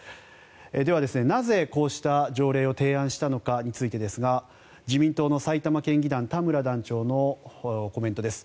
ではなぜこうした条例を提案したのかについてですが自民党の埼玉県議団田村団長のコメントです。